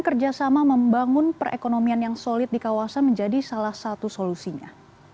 kerjasama membangun perekonomian yang solid di kawasan menjadi salah satu solusinya